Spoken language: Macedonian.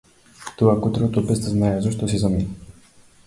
Тоа кутрото, без да знае зошто, си замина.